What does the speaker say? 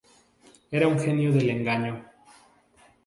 Era un genio del engaño.